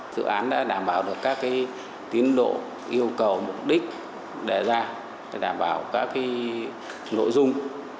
dự án đã đảm bảo được các tiến độ yêu cầu mục đích đề ra để đảm bảo các nội dung